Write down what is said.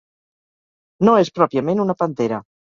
No és pròpiament una pantera.